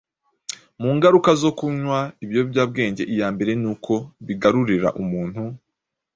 Mu ngaruka zo kunywa ibiyobyabwenge iya mbere ni uko byigarurira umuntu